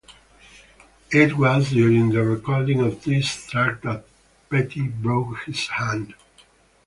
It was during the recording of this track that Petty broke his hand.